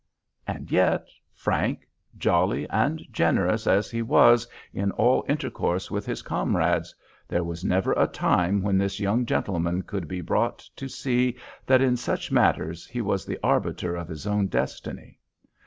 And yet, frank, jolly, and generous as he was in all intercourse with his comrades, there was never a time when this young gentleman could be brought to see that in such matters he was the arbiter of his own destiny.